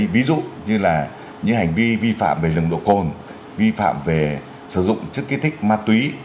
ví dụ như là những hành vi vi phạm về nồng độ cồn vi phạm về sử dụng chất kích thích ma túy